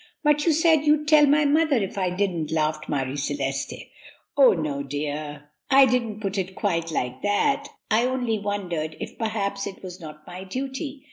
"But you said you'd tell my mother if I didn't," laughed Marie Celeste. "Oh, no, dear! I didn't put it quite like that. I only wondered if, perhaps, it was not my duty.